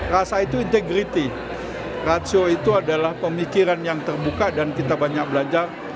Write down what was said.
rasa itu integriti ratio itu adalah pemikiran yang terbuka dan kita banyak belajar